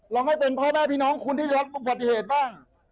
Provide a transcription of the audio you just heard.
เราให้เป็นพ่อแม่พี่น้องคุณที่รับอุบัติเหตุบ้าง